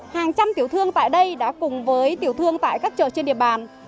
hàng trăm tiểu thương tại đây đã cùng với tiểu thương tại các chợ trên địa bàn